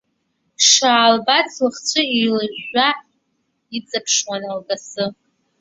Дшаалбац лыхцәы еилажәжәа иаҵыԥшуан лкасы.